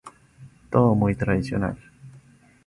Todo muy tradicional.